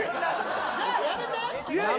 じゃあやめて！